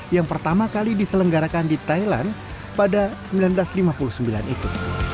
yang pertama kali diselenggarakan di thailand pada seribu sembilan ratus lima puluh sembilan itu